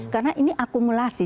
karena ini akumulasi